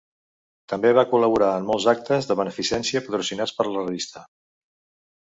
També va col·laborar en molts actes de beneficència patrocinats per la revista.